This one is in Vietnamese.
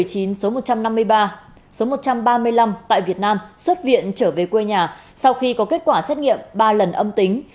số một trăm ba mươi năm tại việt nam xuất viện trở về quê nhà sau khi có kết quả xét nghiệm ba lần âm tính